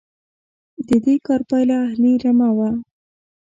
د دې کار پایله اهلي رمه وه.